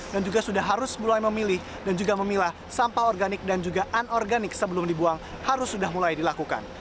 dan juga sudah harus mulai memilih dan juga memilah sampah organik dan juga anorganik sebelum dibuang harus sudah mulai dilakukan